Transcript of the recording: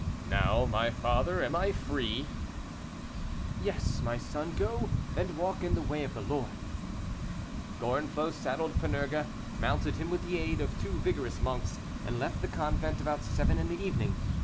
"Now, my father, am I free?" "Yes, my son, go and walk in the way of the Lord." Gorenflot saddled Panurge, mounted him with the aid of two vigorous monks, and left the convent about seven in the evening.